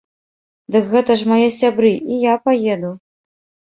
Дык гэта ж мае сябры, і я паеду!